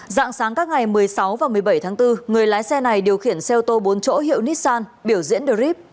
dạng sáng các ngày một mươi sáu và một mươi bảy tháng bốn người lái xe này điều khiển xe ô tô bốn chỗ hiệu nissan biểu diễn drip